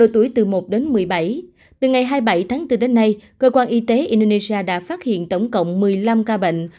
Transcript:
từ ngày hai mươi bảy tháng bốn đến nay cơ quan y tế indonesia đã phát hiện tổng cộng một mươi năm ca bệnh